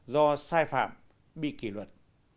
do sai phạm bị kỷ luật